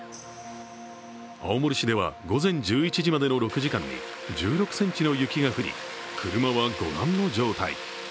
青森市では午前１１時までの６時間に１１ｃｍの雪が降り車はご覧の状態。